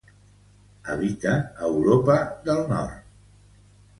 Habita a Europa del nord.